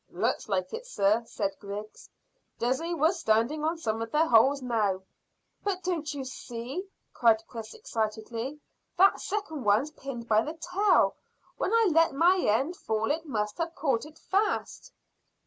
"Looks like it, sir," said Griggs. "Dessay we're standing on some of their holes now." "But don't you see?" cried Chris excitedly; "that second one's pinned by the tail. When I let my end fall it must have caught it fast."